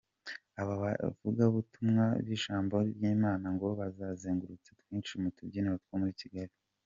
Abo bavugagabutumwa b’ijambo ry’Imana, ngo bazengurutse twinshi mu tubyibiro two muri Kigali.